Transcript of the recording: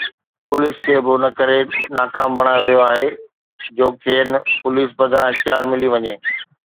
police کي به ان ڪري ناڪام بڻايو ويو آهي جو کين پوليس بدران اختيار ملي وڃن